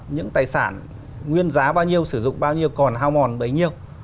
những tài sản nguyên giá bao nhiêu sử dụng bao nhiêu còn hao mòn bấy nhiêu